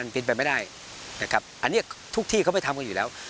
เป็นไปไม่ได้นะครับอันนี้ทุกที่เขาไปทำกันอยู่แล้ว